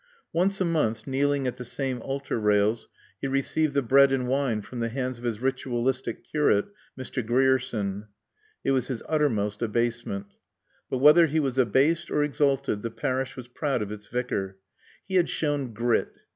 Once a month, kneeling at the same altar rails, he received the bread and wine from the hands of his ritualistic curate, Mr. Grierson. It was his uttermost abasement. But, whether he was abased or exalted, the parish was proud of its Vicar. He had shown grit.